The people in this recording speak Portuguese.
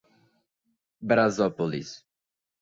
Brasópolis